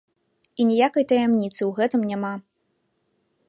І ніякай таямніцы ў гэтым няма.